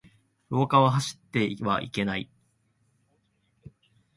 廊下は走ってはいけない。